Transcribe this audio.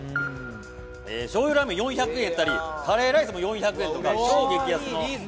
「醤油ラーメン４００円やったりカレーライスも４００円とか超激安の」